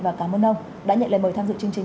và cảm ơn ông đã nhận lời mời tham dự chương trình